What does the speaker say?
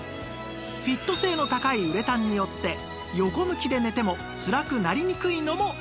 フィット性の高いウレタンによって横向きで寝てもつらくなりにくいのも魅力